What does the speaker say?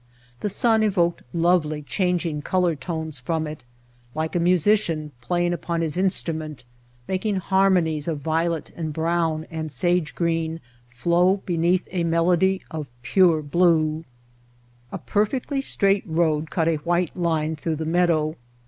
The sun evoked lovely, changing color tones from it, like a musician playing upon his instru ment, making harmonies of violet and brown and Entering Death Valley sage green flow beneath a melody of pure blue. A perfectly straight road cut a white line through the meadow.